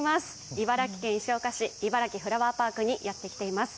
茨城県石岡市いばらきフラワーパークにやってきています。